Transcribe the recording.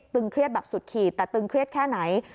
เครียดแบบสุดขีดแต่ตึงเครียดแค่ไหน